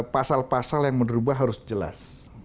pasal pasal yang menerubah harus jelas